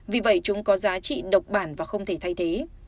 vì vậy chúng có giá trị độc bản và không thể thay thế